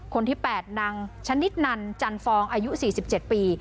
คนที่๘นางชนิดนันจันฟองอายุ๔๗ปี